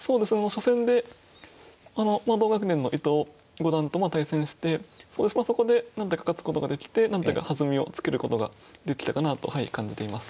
初戦で同学年の伊藤五段と対戦してそこでなんとか勝つことができて何ていうか弾みをつけることができたかなと感じています。